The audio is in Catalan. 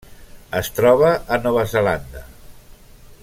Es troba a Nova Zelanda.